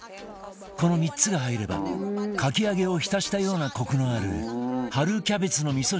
この３つが入ればかき揚げを浸したようなコクのある春キャベツの味噌汁になるという